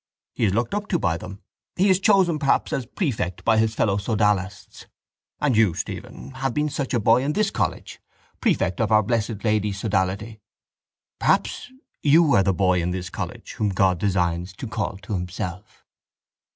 He is looked up to by them; he is chosen perhaps as prefect by his fellow sodalists. And you, Stephen, have been such a boy in this college, prefect of Our Blessed Lady's sodality. Perhaps you are the boy in this college whom God designs to call to Himself.